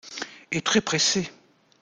Et très pressée.